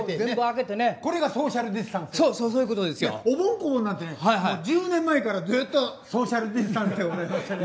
おぼん・こぼんなんてねもう１０年前からずっとソーシャルディスタンスでございましてね。